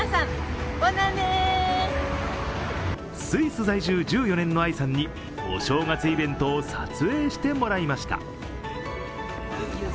スイス在住１４年のあいさんに、お正月イベントを撮影してもらいました。